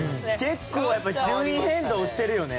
結構やっぱり順位変動してるよね。